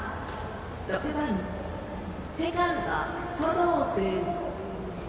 ６番、セカンド、登藤君。